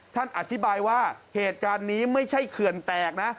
ท่านอธิบายว่าเหตุการณ์นี้ไม่ใช่เขื่อนแตกนะ